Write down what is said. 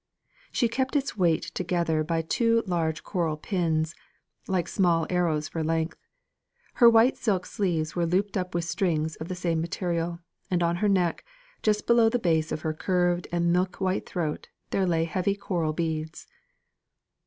She kept its weight together by two large coral pins, like small arrows for length. Her white silk sleeves were looped up with strings of the same material, and on her neck, just below the base of her curved and milk white throat, there lay heavy coral beads.